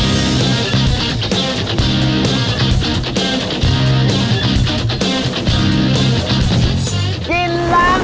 ขับรถมาสะดวกแถมีที่จอดรถข้างร้านด้วย